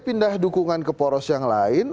pindah dukungan ke poros yang lain